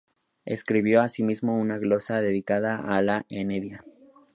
Escribió, asimismo, una glosa dedicada a "La Eneida".